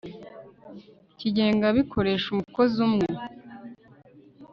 cyigenga bikoresha umukozi umwe